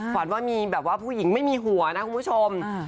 ฝันว่ามีแบบว่าผู้หญิงไม่มีหัวนะคุณผู้ชม